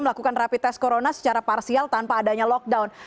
melakukan rapid test corona secara parsial tanpa adanya lockdown